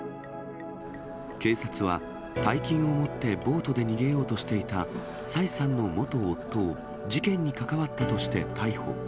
警察は、大金を持ってボートで逃げようとしていた蔡さんの元夫を、事件に関わったとして逮捕。